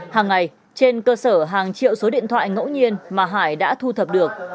hàng ngày trên cơ sở hàng triệu số điện thoại ngẫu nhiên mà hải đã thu thập được